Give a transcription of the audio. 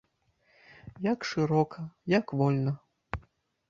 Як шырока, як вольна!